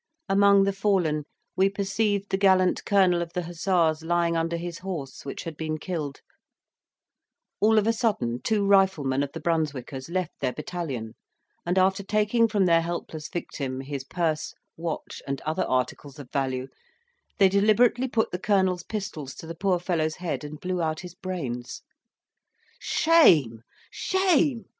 Among the fallen we perceived the gallant colonel of the hussars lying under his horse, which had been killed, All of a sudden two riflemen of the Brunswickers left their battalion, and after taking from their helpless victim his purse, watch, and other articles of value, they deliberately put the colonel's pistols to the poor fellow's head and blew out his brains. "Shame! shame!"